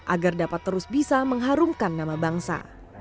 agar dapat terus bisa mengharumkan nama bangsa